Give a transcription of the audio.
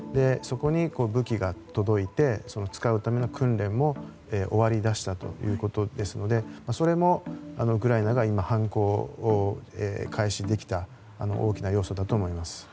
そこに武器が届いて使うための訓練も終わりだしたということですのでそれも、ウクライナが今反攻を開始できた大きな要素だと思います。